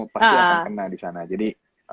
pasti akan kena disana jadi